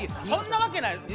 そんなわけない。